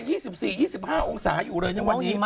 ญี่ปุ่นยัง๒๔๒๕องศาอยู่เลยนะวันนี้